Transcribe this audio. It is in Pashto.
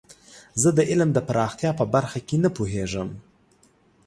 زه د علم د پراختیا په برخه کې نه پوهیږم.